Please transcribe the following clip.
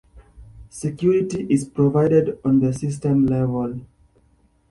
Security is provided on the system level.